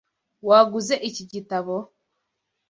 Waguze iki gitabo? (blay_paul)